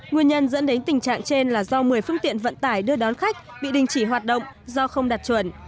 nguyên nhân dẫn đến tình trạng trên là do một mươi phương tiện vận tải đưa đón khách bị đình chỉ hoạt động do không đạt chuẩn